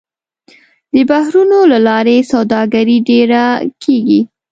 د بحرونو له لارې سوداګري ډېره کېږي.